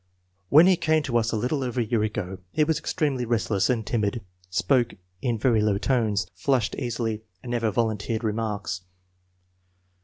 When he came to us a little over a year ago he was ex tremely restless and timid; spoke in very low tones, flushed easily, and never volunteered remarks.